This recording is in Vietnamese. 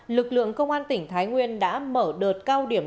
lực lượng công an tỉnh thái nguyên đã mở đợt cao điểm